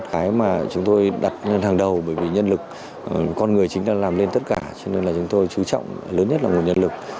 cái mà chúng tôi đặt lên hàng đầu bởi vì nhân lực con người chính là làm lên tất cả cho nên là chúng tôi chú trọng lớn nhất là nguồn nhân lực